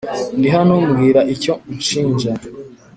ndihano mbwira icyo unshinja